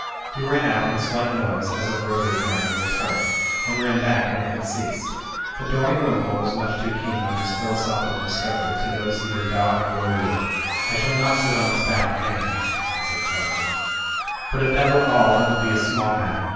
He ran out when a slight noise as of rota tory grinding was heard; and ran back when it had ceased. But Dorian Wimpole was much too keen on his philosophical discovery to notice either dog or wheel. '1 shall not sit on its back, anyhow," he said proudly, "but if that were all it would be a small matter.